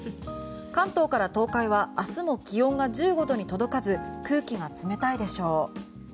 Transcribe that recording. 関東から東海は明日も気温が１５度に届かず空気が冷たいでしょう。